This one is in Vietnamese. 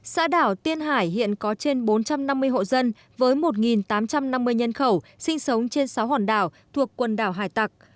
xã đảo tiên hải hiện có trên bốn trăm năm mươi hộ dân với một tám trăm năm mươi nhân khẩu sinh sống trên sáu hòn đảo thuộc quần đảo hải tạc